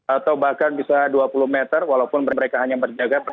atau bahkan bisa dua puluh meter walaupun mereka hanya berjaga